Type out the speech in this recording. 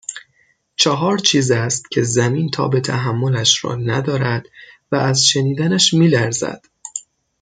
چهار چیز است كه زمين تاب تحملش را ندارد و از شنيدنش میلرزد